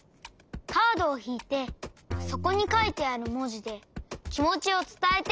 カードをひいてそこにかいてあるもじできもちをつたえて！